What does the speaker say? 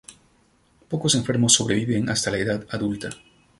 Pocos enfermos sobreviven hasta la edad adulta.